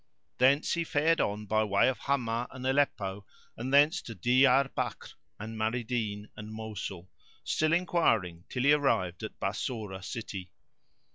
Thence he fared on by way of Hamah and Aleppo and thence through Diyár Bakr and Maridin and Mosul, still enquiring, till he arrived at Bassorah city.